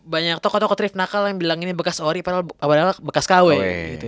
banyak toko toko drift nakal yang bilang ini bekas ori padahal bekas kawai